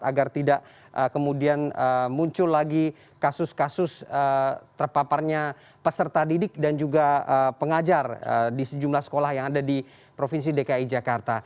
agar tidak kemudian muncul lagi kasus kasus terpaparnya peserta didik dan juga pengajar di sejumlah sekolah yang ada di provinsi dki jakarta